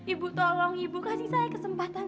ibu tolong ibu kasih saya kesempatan